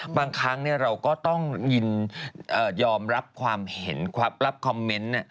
บางครั้งเราก็ต้องยอมรับความเห็นรับคอมเมนต์